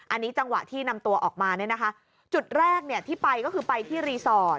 อันนี้จังหวะที่นำตัวออกมาเนี่ยนะคะจุดแรกเนี่ยที่ไปก็คือไปที่รีสอร์ท